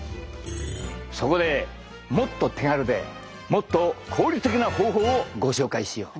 そこでもっと手軽でもっと効率的な方法をご紹介しよう！